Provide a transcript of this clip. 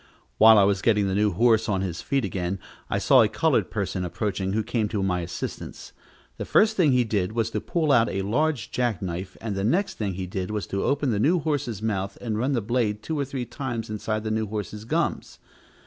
While I was getting the new horse on his feet again, I saw a colored person approaching, who came to my assistance. The first thing he did was to pull out a large jack knife, and the next thing he did was to open the new horse's mouth and run the blade two or three times inside the new horse's gums.